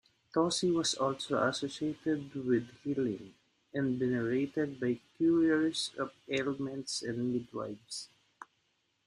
Toci was also associated with healing, and venerated by curers of ailments and midwives.